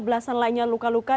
belasan lainnya luka luka